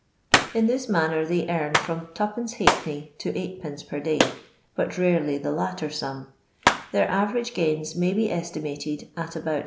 In this man ner they earn from 2\d. to 8f/. per day, but rarely the Litter sum ; their average gains may be estimated at about Zd.